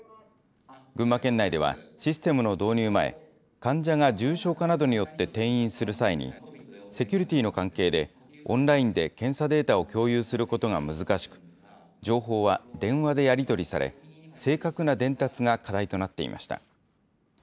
群馬県内では、システムの導入前、患者が重症化などによって転院する際に、セキュリティーの関係で、オンラインで検査データを共有することが難しく、情報は電話でやり取りされ、正確な伝達が課題となっていました。